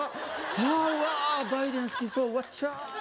「ああわあバイデン好きそうわっちゃー」